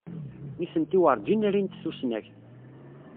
Nitenti werǧin rint tusnakt.